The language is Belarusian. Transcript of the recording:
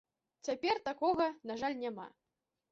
Цяпер такога, на жаль, няма.